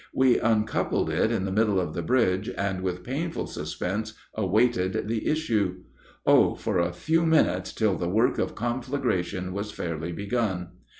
We uncoupled it in the middle of the bridge, and with painful suspense waited the issue. Oh for a few minutes till the work of conflagration was fairly begun!